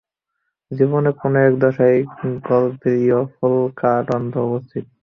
জীবনের কোন দশায় গলবিলীয় ফুলকা রন্ধ্র উপস্থিত।